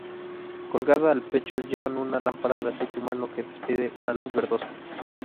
Colgada al pecho llevan una lámpara de aceite humano que despide una luz verdosa.